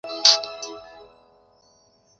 乡政府驻地在下宫村。